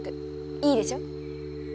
いいでしょ？